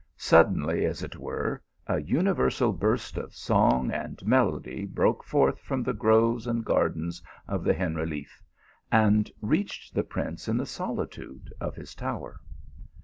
Suddenly, as it were, a universal burst of song and melody broke forth from the groves and gardens of the Generaliffe, and reached the prince in the solitude of his tower.